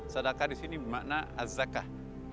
sadakah disini bermakna az zakah